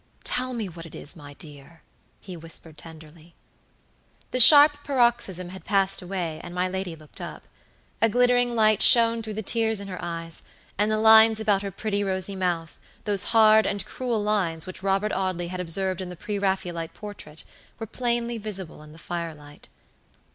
"Tell me what it is, my dear," he whispered, tenderly. The sharp paroxysm had passed away, and my lady looked up. A glittering light shone through the tears in her eyes, and the lines about her pretty rosy mouth, those hard and cruel lines which Robert Audley had observed in the pre Raphaelite portrait, were plainly visible in the firelight.